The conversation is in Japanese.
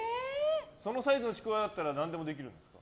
そのサイズのちくわだったら何でもできるんですか？